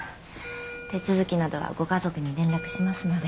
手続きなどはご家族に連絡しますので。